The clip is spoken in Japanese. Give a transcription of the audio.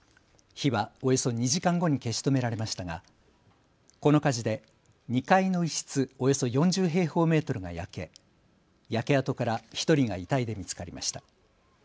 火はおよそ２時間後に消し止められましたがこの火事で２階の一室およそ４０平方メートルが焼け焼け跡から１人が遺体で見つかりました。